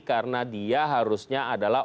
karena dia harusnya adalah